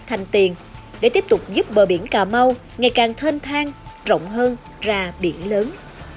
thành tiền để tiếp tục giúp bờ biển cà mau ngày càng thêm thang rộng hơn ra biển lớn